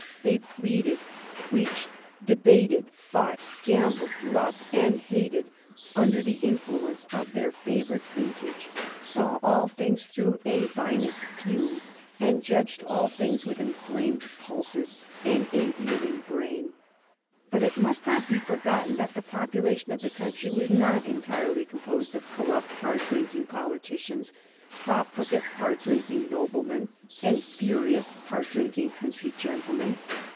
They pleaded, preached, debated, fought, gambled, loved, and hated under the influence of their favorite vintage, saw all things through a vinous fume, and judged all things with inflamed pulses and a reeling brain. But it must not be forgotten that the population of the country was not entirely composed of corrupt, hard drinking politicians, profligate, hard drinking noblemen, and furious, hard drinking country gentlemen.